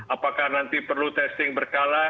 apakah nanti perlu testing berkala